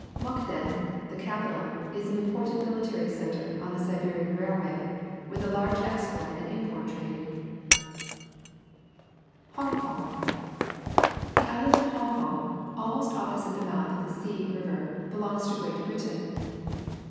Mykdei L. the capital, is an important military centre on the Siberian Railway, with a large export and import trade. 220 PUBLIC SCHOOL GEOGRAPHY HONG KONG The island of Ho7ig Kong, almost opposite the mouth of the Si River, belongs to (ireat Britain.